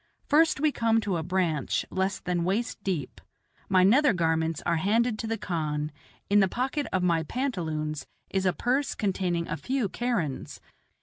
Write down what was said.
First we come to a branch less than waist deep. My nether garments are handed to the khan; in the pocket of my pantaloons is a purse containing a few kerans.